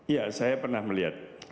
ya saya pernah melihat